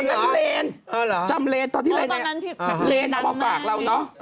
จริงเหรออ๋อเหรออ๋อตอนนั้นที่ดำงาน